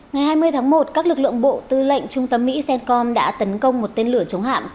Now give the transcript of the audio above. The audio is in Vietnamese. ngày hai mươi tháng một các lực lượng bộ tư lệnh trung tâm mỹ cencom đã tấn công một tên lửa chống hạm